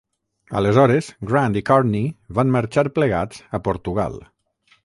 Aleshores, Grant i Courtney van marxar plegats a Portugal.